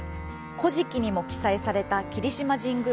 古事記にも記載された霧島神宮。